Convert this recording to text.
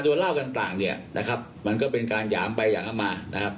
เล่าต่างเนี่ยนะครับมันก็เป็นการหยามไปหยามมานะครับ